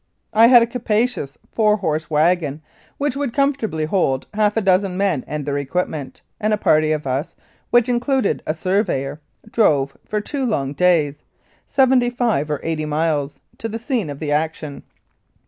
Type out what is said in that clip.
I had a capacious four horse wagon which would comfortably hold half a dozen men and their equipment, and a party of us, which included a surveyor, drove for two long days (seventy five or eighty miles) to the scene of action.